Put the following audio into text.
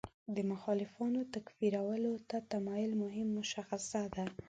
د مخالفانو تکفیرولو ته تمایل مهم مشخصه ده.